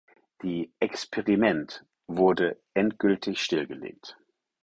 Die "Experiment" wurde endgültig stillgelegt.